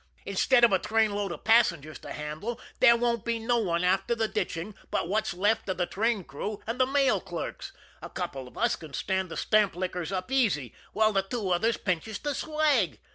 Instead of a train load of passengers to handle there won't be no one after the ditching but what's left of the train crew and the mail clerks; a couple of us can stand the stamp lickers up easy, while the two others pinches the swag.